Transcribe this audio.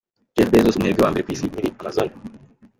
Jeff Bezos umuherwe wa mbere ku isi nyiri Amazon.